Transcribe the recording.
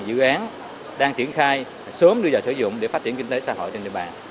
dự án đang triển khai sớm đưa vào sử dụng để phát triển kinh tế xã hội trên địa bàn